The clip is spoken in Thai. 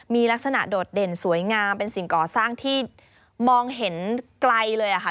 มีลักษณะโดดเด่นสวยงามเป็นสิ่งก่อสร้างที่มองเห็นไกลเลยค่ะ